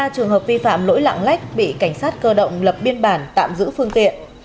một mươi ba trường hợp vi phạm lỗi lặng lách bị cảnh sát cơ động lập biên bản tạm giữ phương tiện